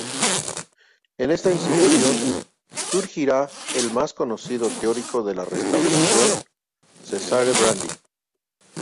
En esta institución surgirá el más conocido teórico de la restauración, Cesare Brandi.